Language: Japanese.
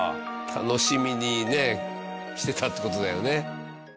楽しみにねしてたって事だよね。